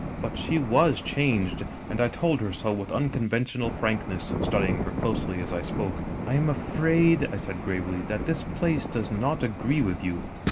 "But she was changed; and I told her so with uncon ventional frankness, studying her closely as I spoke. "* I am afraid,' I said gravely, ' that this place does not agree with you.'